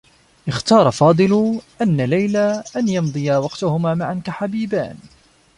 اختارا فاضل أن ليلى أن يمضيا وقتهما معا كحبيبان.